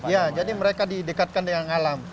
ya jadi mereka didekatkan dengan alam